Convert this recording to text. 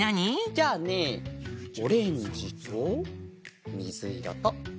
じゃあねオレンジとみずいろとみどり。